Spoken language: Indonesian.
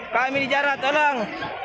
kami dijarah tolong